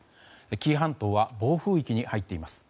紀伊半島は暴風域に入っています。